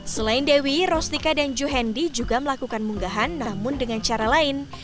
selain dewi rostika dan juhendi juga melakukan munggahan namun dengan cara lain